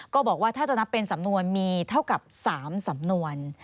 ก็บอกว่าถ้าจะนับเป็นสำนวนมีเท่ากับ๓สำนวน